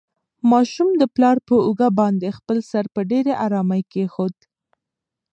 ماشوم د پلار په اوږه باندې خپل سر په ډېرې ارامۍ کېښود.